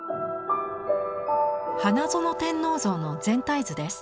「花園天皇像」の全体図です。